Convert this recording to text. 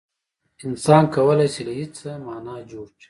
انسان کولای شي له هېڅه مانا جوړ کړي.